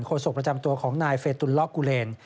โศกประจำตัวของนายเฟตุลล็อกกุเลน